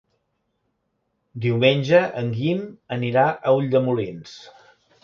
Diumenge en Guim anirà a Ulldemolins.